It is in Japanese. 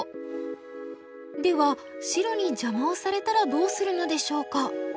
では白に邪魔をされたらどうするのでしょうか？